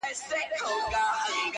ماته د پېغلي کور معلوم دی!.